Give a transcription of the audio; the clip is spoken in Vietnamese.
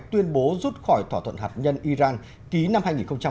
tuyên bố rút khỏi thỏa thuận hạt nhân iran ký năm hai nghìn một mươi năm